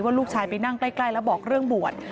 ลูกชายไปนั่งใกล้แล้วบอกเรื่องบวช